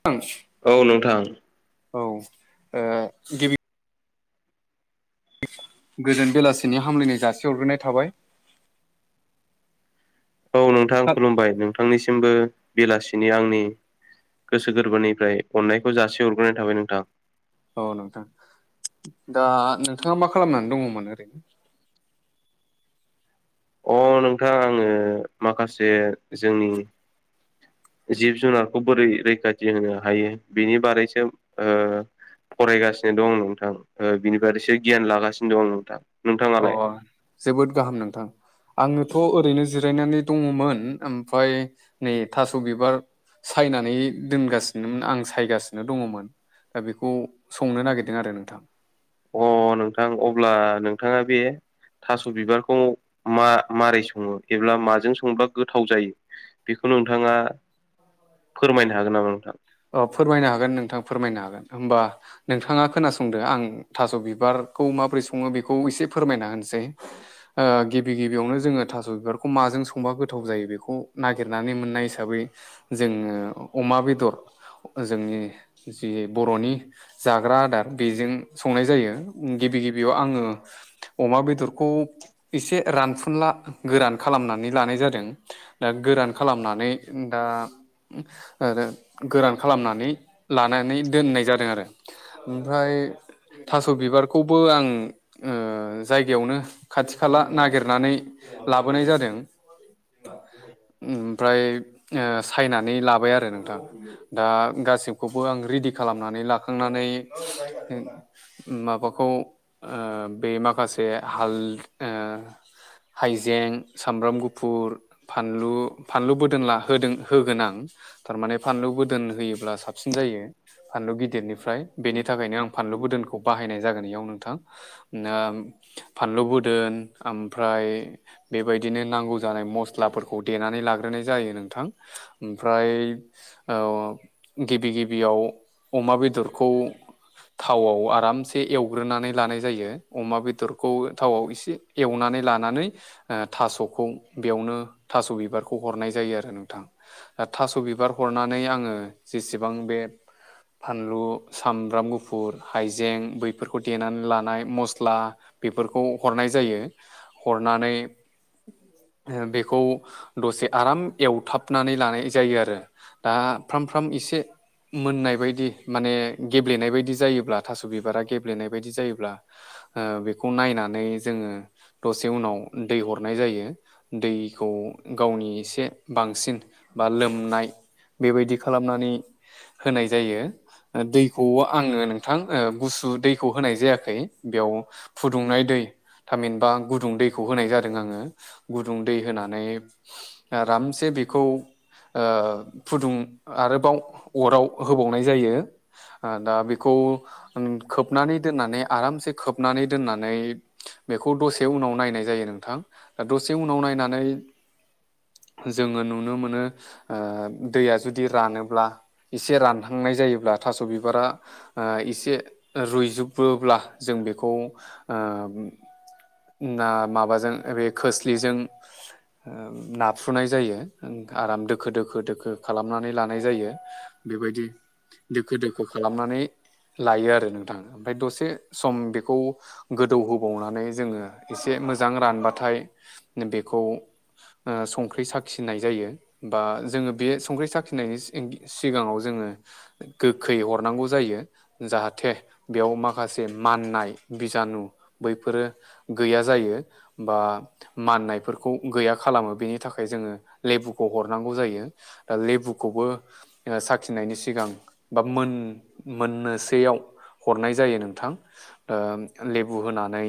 [unintelligible] औ नोंथां। औ ओ गिबि गोजोन बेलासिनि हामलायनाय जासि हरग्रोनाय थाबाय। औ नोंथां खुलुमबाय नोंथांनिसिमबो बेलासिनि आंनि गोसो गोरबोनिफ्राय अननायखौ जासि हरग्रोनाय थाबाय नोंथां। औ नोंथां दा नोंथाङा मा खालामनानै दङमोन ओरैनो? अ नोंथां आङो माखासे जोंनि जिब जुनारखौ बोरै रैखाथि होनो हायो बिनि बारैसो ओ फरायगासिनो दं नोंथां बिनि बारैसो गियान लागासिनो दं नोंथां अ नोंथाङालाय? जोबोद गाहाम नोंथां। आङोथ' ओरैनो जिरायनानै दङमोन ओमफ्राय नै थास' बिबार सायनानै दोनगासिनोमोन आं सायगासिनो दङमोन। दा बेखौ संनो नागिरदों आरो नोंथां। अ नोंथां अब्ला नोंथाङा बे थास' बिबारखौ मा मारै सङो एब्ला माजों संब्ला गोथाव जायो? बेखौ नोंथाङा फोरमायनो हागोन नामा नोंथां? अ फोरमायनो हागोन नोंथां फोरमायनो हागोन होमबा नोंथाङा खोनासंदो आं थास' बिबारखौ माबोरै सङो बेखौ एसे फोरमायना होनसै। ओ गिबि गिबियावनो जोङो थास' बिबारखौ माजों संबा गोथाव जायो बेखौ नागिरनानै मोननाय हिसाबै जोङो अमा बेदर जोंनि जि बर'नि जाग्रा आदार बेजों संनाय जायो गिबि गिबियाव आङो अमा बेदरखौ एसे रानफुनला गोरान खालामनानै लानाय जादों। दा गोरान खालामनानै दा आरो गोरान खालामनानै लानानै दोननाय जादों आरो ओमफ्राय थास' बिबारखौबो आं ओ जायगायावनो खाथि खाला नागिरनानै लाबोनाय जादों। ओमफ्राय ओ सायनानै लाबाय आरो नोंथां। दा गासिबखौबो आं रेडि खालामनानै लाखांनानै माबाखौ ओ बे माखासे हाल ओ हाइजें, सामब्राम गुफुर फानलु फानलुबोदोन ला होदों होगोन आं थारमाने फानलु बोदोन होयोब्ला साबसिन जायो। फानलु गिदिरनिफ्राय बेनि थाखायनो आं फानलु बोदोनखौ बाहायनाय जागोन इयाव नोंथां। फानलु बोदोन ओमफ्राय बेबायदिनो नांगौ जानाय मस्लाफोरखौ देनानै लाग्रोनाय जायो नोंथां। ओमफ्राय औ औ गिबि गिबियाव अमा बेदरखौ थावआव आरामसे एवग्रोनानै लानाय जायो अमा बेदरखौ थावआव एसे एवनानै लानानै ओ थास'खौ बेयावनो थास' बिबारखौ हरनाय जायो आरो नोंथां। ओ थास' बिबार हरनानै आङो जेसेबां बे फानलु, सामब्राम गुफुर, हाइजें बैफोरखौ देनानै लानाय मस्ला बेफोरखौ हरनाय जायो हरनानै ओ बेखौ दसे आराम एवथाबनानै लानाय जायो आरो। दा फ्राम फ्राम एसे‌ मोननाय बायदि माने गेब्लेनाय बायदि जायोब्ला थास' बिबारा गेब्लेनाय बायदि जायोब्ला ओ बेखौ नायनानै जोङो दसे उनाव दै हरनाय जायो। दैखौ गावनि एसे बांसिन बा लोमनाय बेबायदि खालामनानै होनाय जायो। दैखौ आङो नोंथां ओ गुसु दैखौ होनाय जायाखै बेयाव फुदुंनाय दै थामहिनबा आं गुदुं दैखौ होनाय जादों आङो गुदुं दै होनानै आरामसे बेखौ ओ फुदुं आरोबाव अराव होबावनाय जायो। ओ दा बेखौ उ खोबनानै दोननानै आरामसे खोबनानै दोननानै बेखौ दसे उनाव नायनाय जायो नोंथां दा दसे उनाव नायनानै जोङो नुनो मोनो ओ दैया जुदि रानोब्ला एसे रानहांनाय जायोब्ला थास' बिबारा ओह एसे रुइजोबोब्ला जों बेखौ ओम ना माबाजों बे खोस्लिजों ओ नाफ्रुनाय जायो ओं आराम दोखो दोखो दोख दोखो खालामनानै लानाय जायो बेबायदि दोखो दोखो खालामनानै लायो आरो नोंथां ओमफ्राय दसे सम बेखौ गोदौ होबावनानै जोङो एसे मोजां रानबाथाय बेखौ ओ संख्रि साखिनाय जायो बा जोङो बे संख्रि साखिनायनि सिग-सिगाङाव जोङो गोखै हरनांगौ जायो। जाहाथे बेयाव माखासे माननाय बिजानु बैफोरो गैया जायो। बा माननायफोरखौ गैया खालामो बेनि थाखाय जोङो लेबुखौ हरनांगौ जायो। ओ लेबुखौबो‌ ओ साखिनायनि सिगां बा मोन मोननोसैयाव हरनाय जायो नोंथां ओम लेबु होनानै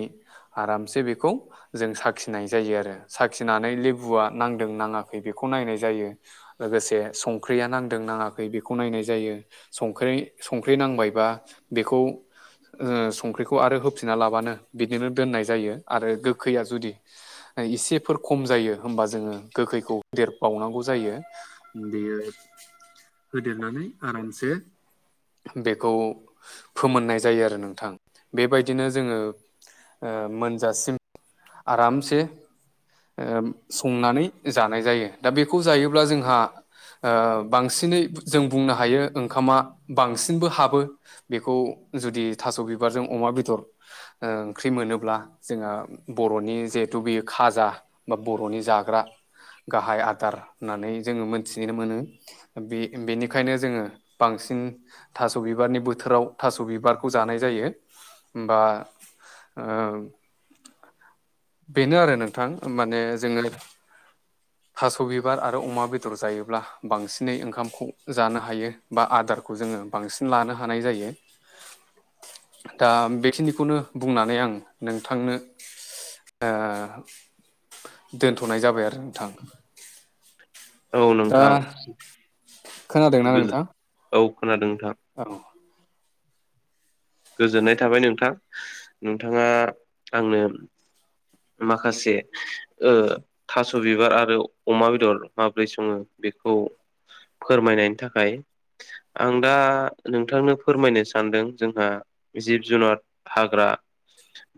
आरामसे बेखौ जों साखिनाय जायो आरो साखिनानै लेबुआ नांदों नाङाखै बेखौ नायनाय जायो। लोगोसे संख्रिया नांदों नाङाखै बेखौ नायनाय जायो। संख्रि संख्रि नांबायबा बेखौ ओ संख्रिखौ आरो होफिना लाबानो बिदिनो दोननाय जायो आरो गोखैया जुदि इसेफोर खम जायो होमबा जोङो गोखैखौ देरबावनांगौ जायो। बेयो होदेरनानै आरामसे बेखौ फोमोननाय जायो आरो नोंथां बेबायदिनो जोङो ओ मोनजासिम आरामसे ओ संनानै जानाय जायो दा बेखौ जायोब्ला जोंहा ओह बांसिनै जों बुंनो हायो ओंखामा बांसिनबो हाबो। बेखौ जुदि थास' बिबारजों अमा बेदर ओंख्रि मोनोब्ला जोङो बर'नि जेहेथु बेयो खाजा बा बर'नि जाग्रा गाहाय आदार होननानै जोङो मोनथिनो मोनो। बे बेनिखायनो जोङो बांसिन थास' बिबारनि बोथोराव थास' बिबारखौ जानाय जायो होमबा ओह बेनो आरो नोंथां माने जोङो थास' बिबार आरो अमा बेदर जायोब्ला बांसिनै ओंखामखौ जानो हायो। बा आदारखौ जोङो बांसिन लानो हानाय जायो। दा बेखिनिखौनो बुंनानै आं नोंथांनो ओह दोन्थ'नाय जाबाय आरो नोंथां। औ दा नोंथां गोजो औ खोनादों नोंथां। अह। गोजोननाय थाबाय नोंथां नोंथाङा आंनो माखासे ओह थास' बिबार आरो अमा बेदर माबोरै सङो बेखौ फोरमायनायनि थाखाय आं दा नोंथांनो फोरमायनो सानदों जोंहा जिब जुनाद हाग्रा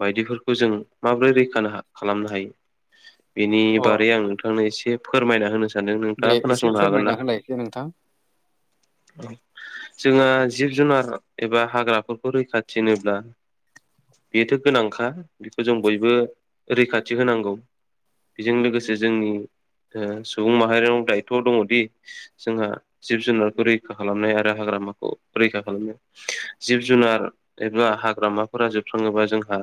बायदिफोरखौ जों माबोरै रैखानो खालामनो हायो। बेनि अ बारै आं नोंथांनो एसे फोरमायना होनो सा सानदों दे नोंथाङा एसे खोनासंनो हागोन फोरमायना ना? होलाय नोंथां जोंहा जिब जुनार एबा हाग्रा रैखाथि होनोब्ला बेथ' गोनांखा बेखौ जों बयबो रैखाथि होनांगौ बिजों लोगोसे जोंनि ओ सुबुं माहारियाव दायथ' दङदि जोंहा जिब जुनारखौ रैखा खालामनाय आरो हाग्रामाखौ रैखा खालामनाय जिब जुनार एबा हाग्रामाफोरा जोबस्राङोबा जोंहा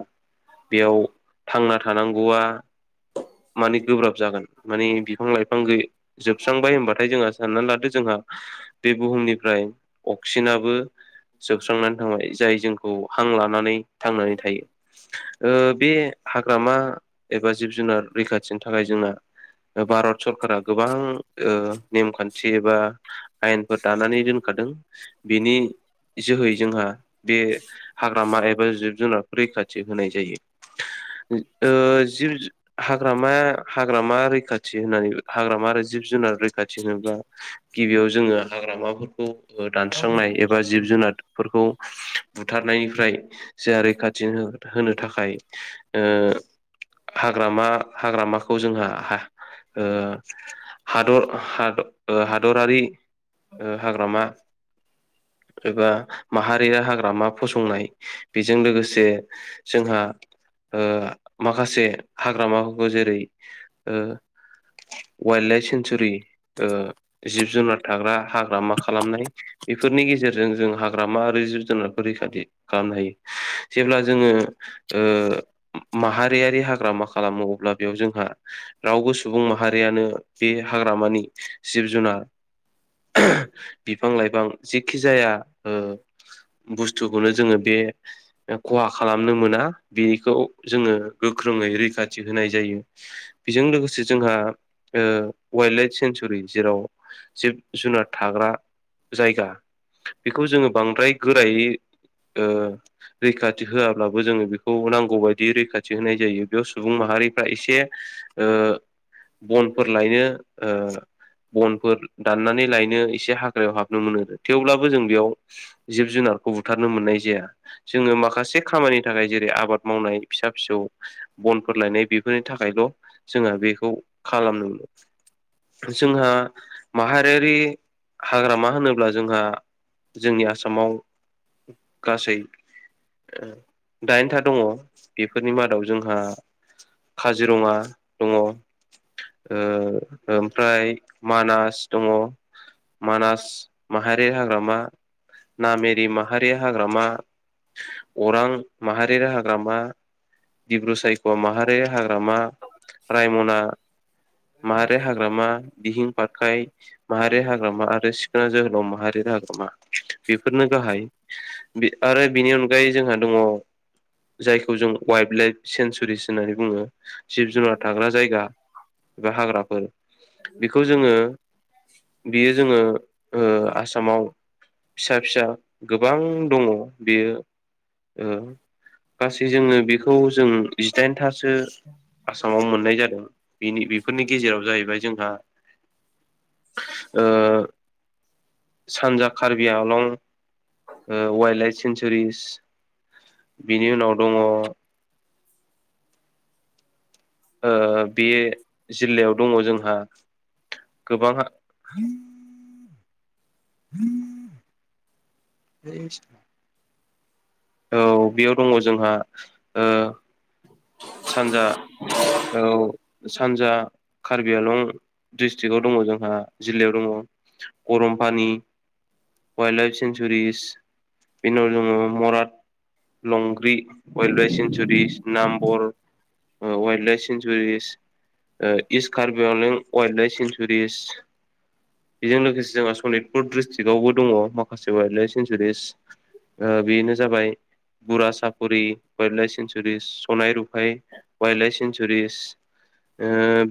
बेयाव थांना थानांगौआ माने गोब्राब जागोन माने बिफां लाइफां गै जोबस्रांबाय होमबाथाय जोंहा सानना लादो जोंहा बे बुहुमनिफ्राय अक्सिजेनाबो जोबस्रांना थांबाय जाय जोंखौ हां लानानै थांनानै थायो। ओ बे हाग्रामा एबा जिब जुनार रैखाथिनि थाखाय जोंना भारत सरकारा गोबां ओ नेमखान्थि एबा आयेनफोर दानानै दोनखादों बेनि जोहै जोंहा बे हाग्रामा एबा जिब जुनारखौ रैखाथि होनाय जायो। ओ जिब हाग्रामा हाग्रामा रैखाथि होननानै हाग्रामा आरो जिब जुनार रैखाथि होनोब्ला गिबियाव जोङो हाग्रामाफोरखौ दानस्रांनाय एबा जिब जुनारफोरखौ बुथारनायनिफ्राय जों रैखाथि होनो थाखाय ओ हाग्रामा हाग्रामाखौ जोंहा हा ओ हादर हाद हादरारि ओ हाग्रामा एबा माहारि हाग्रामा फसंनाय बेजों लोगोसे जोंहा ओ माखासे हाग्रामाफोरखौ जेरै ओ वाइल्ड लाइफ सेंसुरि ओ जिब जुनार थाग्रा हाग्रामा खालामनाय बेफोरनि गेजेरजों जों हाग्रामा जिब जुनारखौ रैखाथि खालामनो हायो जेब्ला जोङो ओ माहारियारि हाग्रामा खालामो अब्ला बेयाव जोंहा रावबो सुबुं माहारियानो बे हाग्रामानि जिब जुनार बिफां लाइफां जेखि जाया ओ बुस्थुखौनो जोङो बे खहा खालामनो मोना बेखौ जोङो गोख्रोङै रैखाथि होनाय जायो। बिजों लोगोसे जोंहा ओ वाइल्ड लाइफ सेंसुरि जेराव जिब जुनार थाग्रा जायगा बेखौ जोङो बांद्राय गोरायै ओ रैखाथि होआब्लाबो जोङो बेखौ नांगौ बायदियै रैखाथि होनाय जायो बेयाव सुबुं माहारिफ्रा एसे ओ बनफोर लायनो ओ बनफोर दाननानै लायनो एसे हाग्रायाव हाबनो मोनो थेवब्लाबो जों बेयाव जिब-जुनारखौ बुथारनो मोननाय जाया। जोङो माखासे खामानिनि थाखाय जेरै- आबाद मावनाय फिसा फिसौ बनफोर लायनाय बेफोरनि थाखायल' जोंहा बेखौ खालामनो जोंहा माहारियारि हाग्रामा होनोब्ला जोंहा जोंनि आसामाव गासै ओ दाइनथा दङ बेफोरनि मादाव जोंहा काजिरङा दङ ओ ओमफ्राय मानास दङ मानास माहारियारि हाग्रामा, नामेरि माहारियारि हाग्रामा अरां माहारियारि हाग्रामा डिब्रु सायख' माहारियारि हाग्रामा रायमना माहारि हाग्रामा दिहिं फाथखाय माहारि हाग्रामा आरो सिखोना जोहोलाव माहारियारि हाग्रामा। बेफोरनो गाहाय। आरो बिनि अनगायै जोंहा दङ जायखौ जों वाइल्ड लाइफ सेेनसुरिस होननानै बुङो। जिब-जुनार थाग्रा जायगा एबा हाग्राफोर। बेखौ जोङो बियो जोङो ओ आसामाव फिसा फिसा गोबां दङ। बेयो ओ गासै जोंनो बेखौ जों जिदाइन थासो आसामाव मोननाय जादों बिनि बेफोरनि गेजेराव जाहैबाय जोंहा ओ सानजा कार्बि आलं ओ वाइल्ड लाइफ सेंसुरिस बिनि उनाव दङ ओ बे जिल्लायाव दङ जोंहा गोबां [inaudible] [unintelligible] औ बेयाव दङ जोंहा ओ सानजा औ सानजा कार्बि आलं डिस्ट्रिकआव दङ जोंहा जिल्लायाव दङ गरम पानि वाइल्ड लाइफ सेंसुरिस। बेनि उनाव दङ मराद लंग्रि वाइल्ड लाइभ सेन्चुरिस नामबर ओ wild live sanctuaries east Karbi Anglong wildlife sanctuaries बेजों लोगोसे जोंहा सनितपुर डिस्ट्रिक्टआवबो दङ माखासे वाइल्द लाइफ सेेंसुरिस ओ बेनो जाबाय बुरा सापरि वाइल्ड लाइफ सेेंसुरिच सनाय रु- फाइ वाइल्ड लाइफ सेनसुरिस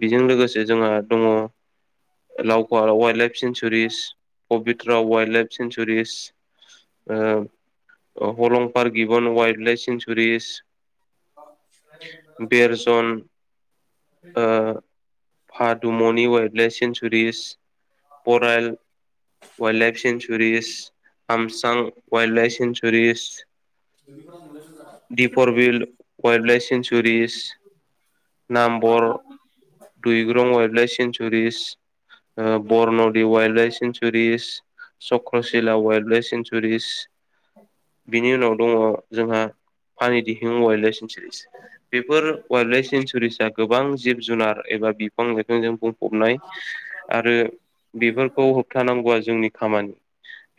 बेजों लोगोसे जोंहा दङ लावखवा wild life sanctuaries, Pobitora wildlife sanctuaries ओ हलं पारक इबन वाइल्ड लाइफ सेेंसुरिस बेर जन ओ फादुम'नि wild life sanctuaries, Barail wildlife sanctuaries, हामसां wild life sanctuaries दिपरबिल [unintelligible] wild live sanctuaries, Namwar दुइ ग्रं वाइल्ड लाइफ सेन्सुरिस ओ Barnadi wild life sanctuaries. Chakrashila wildlife sanctuaries बिनि उनाव दङ जोंहा पानिदिहिं वाइल्ड लाइफ सेेंसुरिस बेफोर वाइल्ड लाइफ सेन्सुरिसा गोबां जिब-जुनार एबा बिफां-लाइफांजों बुं- फबनाय आरो बेफोरखौ होबथानांगौआ जोंनि खामानि।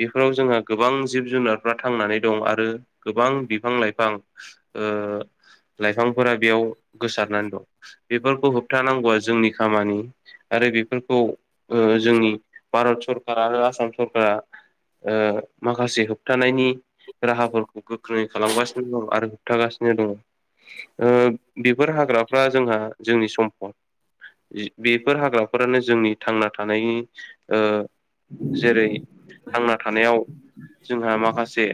बेफोराव जोंहा गोबां जिब-जुनारफ्रा थांनानै दं आरो गोबां बिफां-लाइफां ओ लाइफांफोरा बेयाव गोसारनानै दं। बेफोरखौ होबथानांगौआ जोंनि खामानि। आरो बेफोरखौ ओ जोंनि भारत सरकारा आरो आसाम सरकारा ओ माखासे होबथानायनि राहाफोरखौ गोख्रोङै खालामगासिनो दं आरो होबथागासिनो दङ। ओ बेफोर हाग्राफ्रा जोंहा जोंनि सम्पद। बेफोर हाग्राफोरानो जोंनि थांना थानायनि ओ जेरै थांना थानायाव जोंहा माखासे